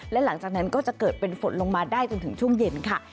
และหลังจากนั้นก็จะเกิดเป็นฝนลงมาได้จนถึงช่วงเย็นค่ะ